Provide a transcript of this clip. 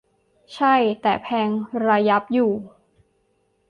ใช่ แต่แพงระยับอยู่